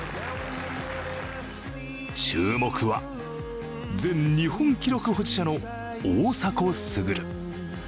注目は全日本記録保持者の大迫傑。